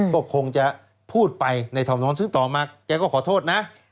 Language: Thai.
ผมคงจะพูดไปในท้องคำซึ้งต่อมาเราก็ขอโทษนะ